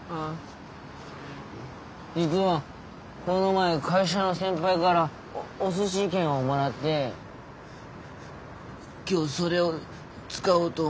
実はこの前会社の先輩からおすし券をもらって今日それを使おうと思ってたんですけど。